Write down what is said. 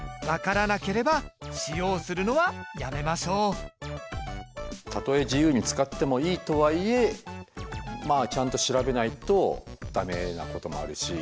その上でたとえ自由に使ってもいいとはいえまあちゃんと調べないと駄目なこともあるし。